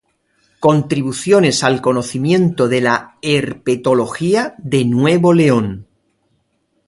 Contribuciones al Conocimiento de la Herpetología de Nuevo León.